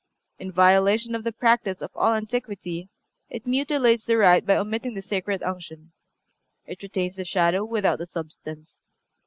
In violation of the practice of all antiquity it mutilates the rite by omitting the sacred unction. It retains the shadow without the substance.